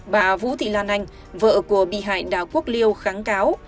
bà vũ thị lan anh vợ của bị hại đào quốc liêu kháng cáo